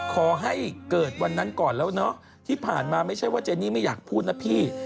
ขอให้เกิดวันนั้นก่อนแล้วเนอะที่ผ่านมาไม่ใช่ว่าเจนี่ไม่อยากพูดนะพี่